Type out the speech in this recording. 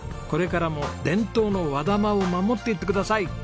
これからも伝統の和玉を守っていってください。